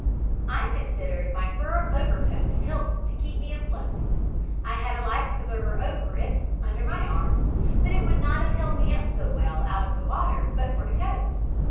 "I considered my fur overcoat helped to keep me afloat. I had a life preserver over it, under my arms, but it would not have held me up so well out of the water but for the coat.